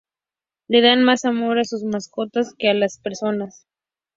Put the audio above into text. Le dan mas amor a sus mascotas que a las personas.